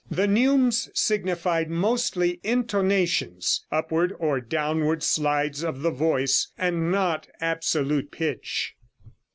The neumes signified mostly intonations, upward or downward slides of the voice, and not absolute pitch.